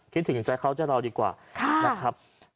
คิดถึงใจเขาจะรอดีกว่านะครับค่ะเอ้า